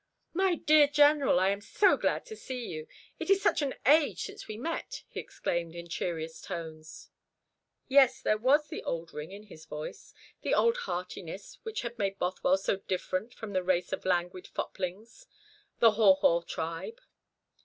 "My dear General, I am so glad to see you. It is such an age since we met," he exclaimed, in cheeriest tones. Yes, there was the old ring in his voice, the old heartiness which had made Bothwell so different from the race of languid foplings the haw haw tribe.